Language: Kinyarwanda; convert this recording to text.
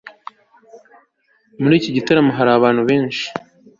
muri iki gitaramo hari abantu benshi